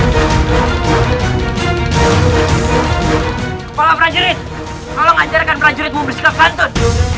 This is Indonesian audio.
kepala prajurit tolong ajarkan prajuritmu bersikap pantun